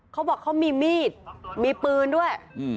เขาบอกเขามีมีดมีปืนด้วย